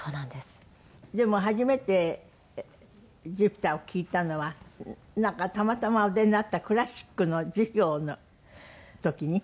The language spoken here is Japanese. でも初めて『Ｊｕｐｉｔｅｒ』を聴いたのはなんかたまたまお出になったクラシックの授業の時に？